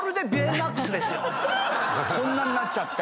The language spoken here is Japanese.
こんなんなっちゃって。